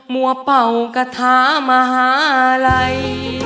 มัวเป่ากระท้ามหาลัย